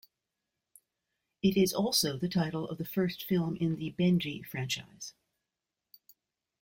It is also the title of the first film in the "Benji" franchise.